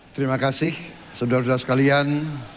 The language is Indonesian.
terima kasih saudara saudara sekalian